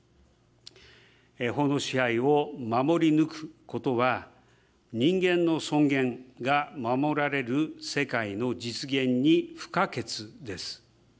法の支配を守り抜くことは、人間の尊厳が守られる世界の実現に不可欠です。